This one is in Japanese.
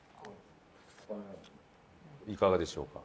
いかがでしょうか？